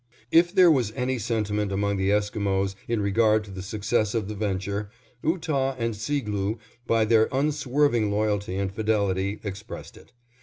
If there was any sentiment among the Esquimos in regard to the success of the venture, Ootah and Seegloo by their unswerving loyalty and fidelity expressed it.